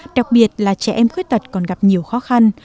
đặc biệt là trẻ em khuyết tật còn gặp nhiều khó khăn